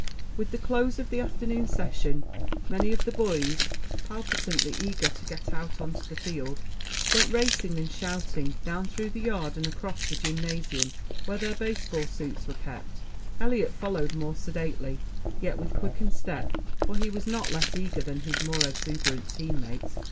With the close of the afternoon session, many of the boys, palpitantly eager to get out onto the field, went racing and shouting, down through the yard and across the gymnasium, where their baseball suits were kept. Eliot followed more sedately, yet with quickened step, for he was not less eager than his more exuberant teammates.